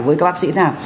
với các bác sĩ nào